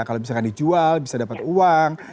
kalau misalkan dijual bisa dapat uang